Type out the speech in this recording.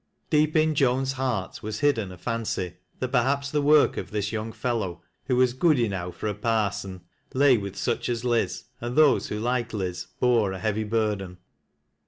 Deep in Joan's heart was hidden a fancy that perhaps the work of this young fellow who was " good enow fur a par son," lay with such as Liz, and those who like Liz bore 1 heavy burden.